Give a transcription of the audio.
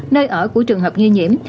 nơi ở của trường hợp nghi nhiễm